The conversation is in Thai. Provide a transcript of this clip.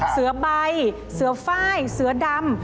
เสือใบเสือไฟล์เสือดำ